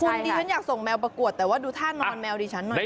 คุณดิฉันอยากส่งแมวประกวดแต่ว่าดูท่านอนแมวดิฉันหน่อย